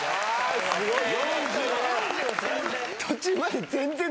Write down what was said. すごいよ！